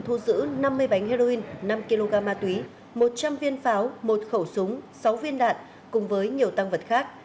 thu giữ năm mươi bánh heroin năm kg ma túy một trăm linh viên pháo một khẩu súng sáu viên đạn cùng với nhiều tăng vật khác